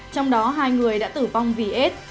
trong đó hai người đã tử vong vì ết